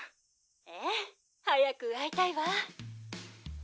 「ええ早く会いたいわ」